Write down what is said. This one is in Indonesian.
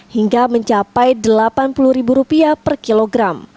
hingga mencapai rp delapan puluh per kilogram